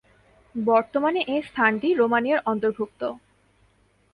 বর্তমানে এ স্থানটি রোমানিয়ার অন্তর্ভুক্ত।